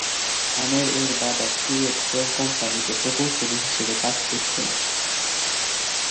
আমের এর বাবা কুয়েত তেল কোম্পানিতে প্রকৌশলী হিসেবে কাজ করতেন।